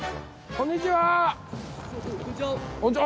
こんにちは！